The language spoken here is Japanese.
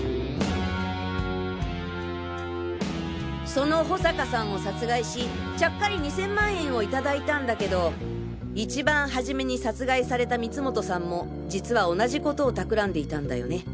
その保坂さんを殺害しちゃっかり２０００万円を頂いたんだけど一番初めに殺害された光本さんも実は同じ事を企んでいたんだよね。